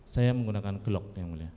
saya menggunakan glock yang mulia